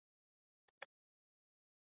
په میز باندې کلچې او یو چاینک هم ایښي وو